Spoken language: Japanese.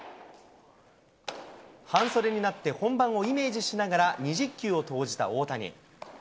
半袖になって、本番をイメージしながら２０球を投じた大谷。